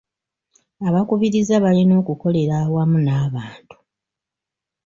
Abakubiriza balina okukolera awamu n'abantu.